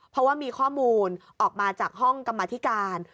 เพราะว่ามีข้อมูลออกมาจากห้องกรรมธิการ